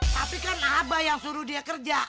tapi kan apa yang suruh dia kerja